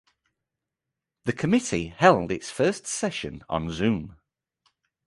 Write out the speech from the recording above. The committee held its first session on Zoom.